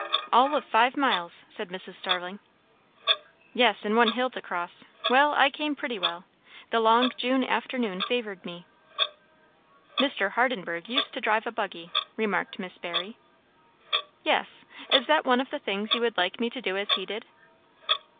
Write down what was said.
"All of five miles," said Mrs. Starling. "Yes; and one hill to cross. Well! I came pretty well. The long June afternoon favoured me." "Mr. Hardenburgh used to drive a buggy," remarked Miss Barry. "Yes. Is that one of the things you would like me to do as he did?"